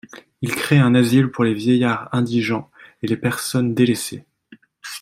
Il crée un asile pour les vieillards indigents et les personnes délaissées.